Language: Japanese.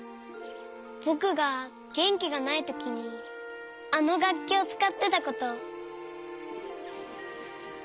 ぼくがげんきがないときにあのがっきをつかってたこと。